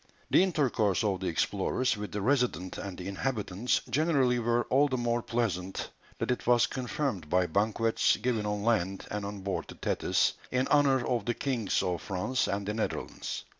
The intercourse of the explorers with the Resident and the inhabitants generally were all the more pleasant that it was confirmed by banquets given on land and on board the Thetis in honour of the kings of France and the Netherlands.